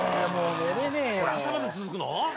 これ朝まで続くの？